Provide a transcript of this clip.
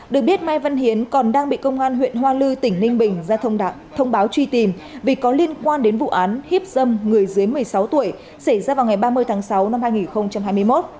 được biết mai văn hiến còn đang bị công an huyện hoa lư tỉnh ninh bình ra thông báo truy tìm vì có liên quan đến vụ án hiếp dâm người dưới một mươi sáu tuổi xảy ra vào ngày ba mươi tháng sáu năm hai nghìn hai mươi một